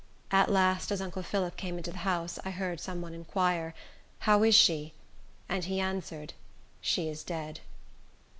At last, as uncle Phillip came into the house, I heard some one inquire, "How is she?" and he answered, "She is dead."